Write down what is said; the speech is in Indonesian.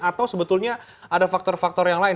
atau sebetulnya ada faktor faktor yang lain